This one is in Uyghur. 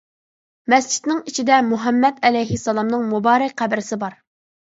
مەسچىتنىڭ ئىچىدە مۇھەممەد ئەلەيھىسسالامنىڭ مۇبارەك قەبرىسى بار.